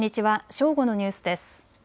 正午のニュースです。